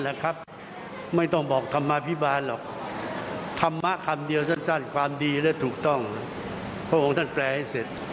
ซึ่งพูดถึงการแก้ไขสถานการณ์น้ำตามแนวทางพระเกียรติโดยดรสุเมตตันติเวชกุล